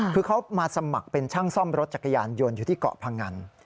คือเขามาสมัครเป็นช่างซ่อมรถจักรยานยนต์อยู่ที่เกาะพงัน